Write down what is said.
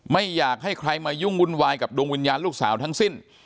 ไม่อยากให้ใครมายุ่งวุ่นวายกับดวงวิญญาณลูกสาวทั้งสิ้น